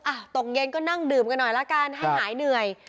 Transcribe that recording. ตกเย็นก็นั่งดื่มกันหน่อยละกันให้หายเหนื่อย